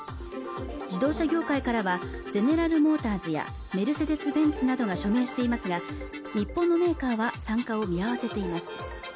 自動車業界からはゼネラルモーターズやメルセデス・ベンツなどが署名していますが日本のメーカーは参加を見合わせています